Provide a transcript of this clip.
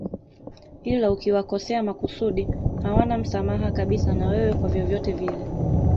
Ila ukiwakosea makusudi hawana msamaha kabisa na wewe kwa vyovyote vile